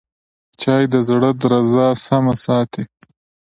چای د زړه درزا سمه ساتي